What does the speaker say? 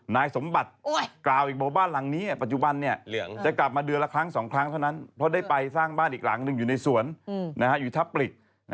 นายสมบัติกล่าวอีกบอกบ้านหลังนี้ปัจจุบันจะกลับมาเดือนละครั้ง๒ครั้งเท่านั้นเพราะได้ไปสร้างบ้านอีกหลังหนึ่งอยู่ในสวนอยู่ทับปลิก